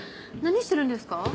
何してるんですか？